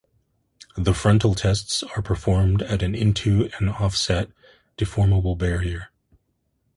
The frontal tests are performed at into an offset deformable barrier.